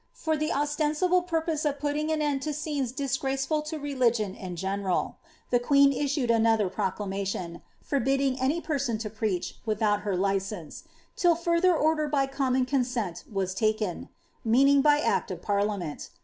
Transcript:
For the ostensible purpose of putting an end to scenes dis graceful to religion in general, the queen issued another proclamation, forbidding any person to preach without her license, ^ till further order hy common consent was taken ;" meaning by act of parliament.